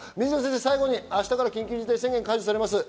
水野先生、明日から緊急事態宣言が解除されます。